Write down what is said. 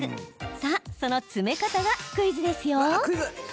さあ、その詰め方がクイズですよ。